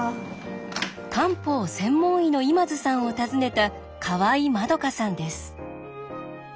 漢方専門医の今津さんを訪ねた河合まどかさんです。